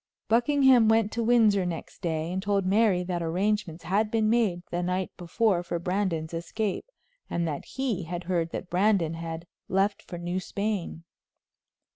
Buckingham went to Windsor next day and told Mary that arrangements had been made the night before for Brandon's escape, and that he had heard that Brandon had left for New Spain.